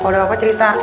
kalo udah apa apa cerita